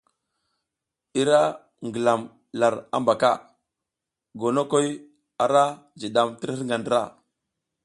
I ra ngilam lar habaka, gonokoy ara jidam tir hirga ndra.